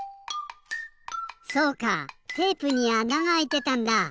そうかテープにあながあいてたんだ！